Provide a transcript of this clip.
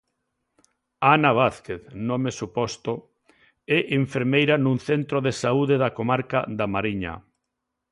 Ana Vázquez, nome suposto, é enfermeira nun centro de saúde da comarca da Mariña.